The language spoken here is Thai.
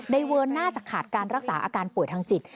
เวิร์นน่าจะขาดการรักษาอาการป่วยทางจิต